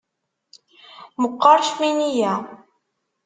Meqqer ccmini-ya.